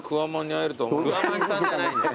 桑マンさんじゃないんだよ。